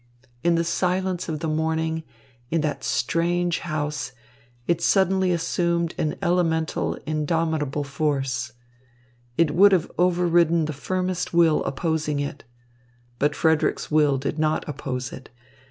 In the silence of the morning in that strange house, it suddenly assumed an elemental, indomitable force. It would have overridden the firmest will opposing it. But Frederick's will did not oppose it.